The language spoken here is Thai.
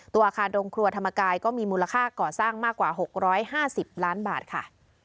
อาคารโรงครัวธรรมกายก็มีมูลค่าก่อสร้างมากกว่า๖๕๐ล้านบาทค่ะ